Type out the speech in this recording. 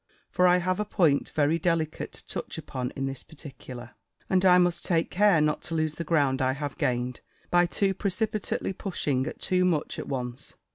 For I have a point very delicate to touch upon in this particular; and I must take care not to lose the ground I have gained, by too precipitately pushing at too much at once.